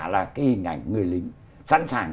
là cái hình ảnh người lính sẵn sàng